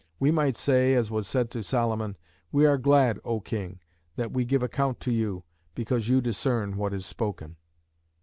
We might say, as was said to Solomon, We are glad, O King, that we give account to you, because you discern what is spoken."